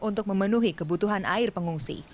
untuk memenuhi kebutuhan air pengungsi